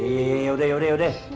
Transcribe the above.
yaudah yaudah yaudah